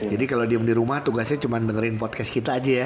jadi kalo diem di rumah tugasnya cuma benerin podcast kita aja ya